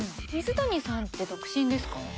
水谷さんって独身ですか？